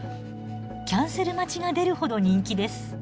キャンセル待ちが出るほど人気です。